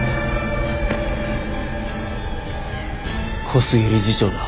小菅理事長だ。